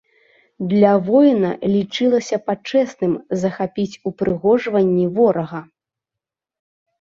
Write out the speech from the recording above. Для воіна лічылася пачэсным захапіць упрыгожванні ворага.